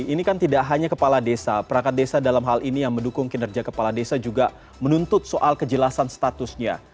ini kan tidak hanya kepala desa perangkat desa dalam hal ini yang mendukung kinerja kepala desa juga menuntut soal kejelasan statusnya